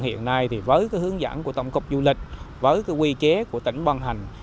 hiện nay với hướng dẫn của tổng cục du lịch với quy kế của tỉnh băng hành